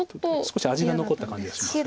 少し味が残った感じがしますよね。